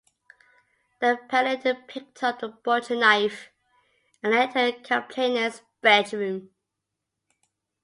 The appellant picked up a butcher knife and entered the complainant's bedroom.